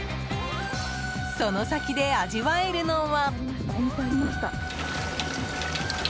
その先で味わえるのは。